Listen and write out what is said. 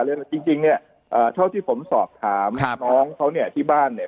จริงเนี่ยเท่าที่ผมสอบถามน้องเขาเนี่ยที่บ้านเนี่ย